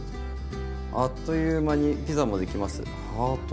「あっという間にピザもできますハート」。